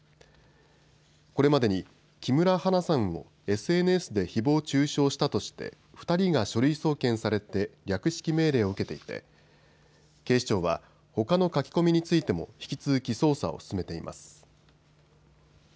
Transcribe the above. これまでに木村花さんをＳＮＳでひぼう中傷したとして２人が書類送検されて略式命令を受けていて警視庁はほかの書き込みについても引き続き捜査を進めています。